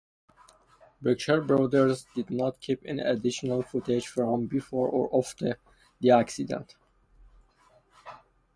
Brookshire Brothers did not keep any additional footage from before or after the accident.